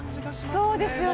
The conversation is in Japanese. そうですよね。